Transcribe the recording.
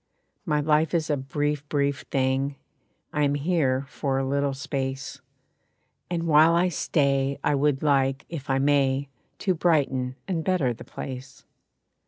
My life is a brief, brief thing, I am here for a little space. And while I stay I would like, if I may, To brighten and better the place.